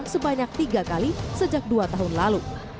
sebanyak tiga kali sejak dua tahun lalu